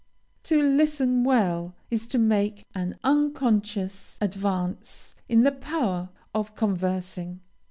To listen well is to make an unconscious advance in the power of conversing.